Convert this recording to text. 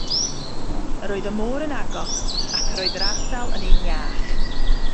Yr oedd y môr yn agos, ac yr oedd yr ardal yn un iach.